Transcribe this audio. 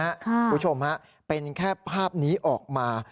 คุณผู้ชมฮะเป็นแค่ภาพนี้ออกมา